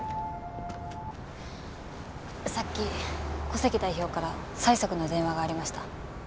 さっき古関代表から催促の電話がありました。